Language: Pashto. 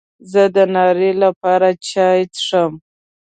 زه د ناري لپاره چای څښم.